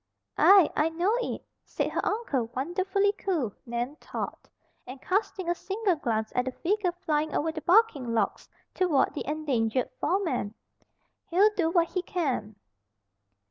"Aye, I know it," said her uncle, wonderfully cool, Nan thought, and casting a single glance at the figure flying over the bucking logs toward the endangered foreman. "He'll do what he can."